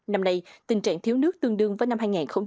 năm nay tình trạng thiếu nước tương đương với năm hai nghìn một mươi tám